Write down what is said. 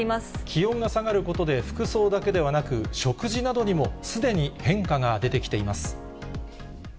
気温が下がることで、服装だけではなく、食事などにもすでに変化が出てきています。